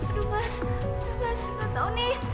aduh mas aku tau nih